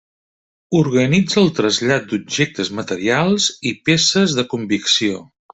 Organitza el trasllat d'objectes materials i peces de convicció.